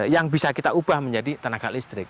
yang bisa kita ubah menjadi tenaga listrik